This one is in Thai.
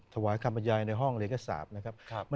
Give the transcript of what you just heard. ถวายคำบรรยายในห้องเรียนกษาปนะครับ